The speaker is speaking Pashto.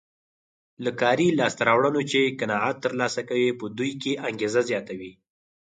له کاري لاسته راوړنو چې قناعت ترلاسه کوي په دوی کې انګېزه زیاتوي.